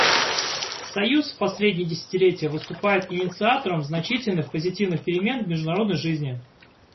Союз в последние десятилетия выступает инициатором значительных позитивных перемен в международной жизни.